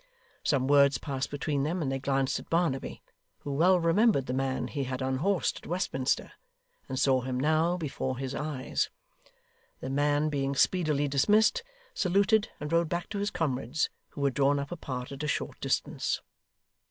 Some words passed between them, and they glanced at Barnaby; who well remembered the man he had unhorsed at Westminster, and saw him now before his eyes. The man being speedily dismissed, saluted, and rode back to his comrades, who were drawn up apart at a short distance.